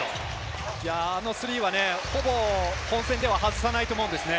あのスリーは本戦では外さないと思うんです。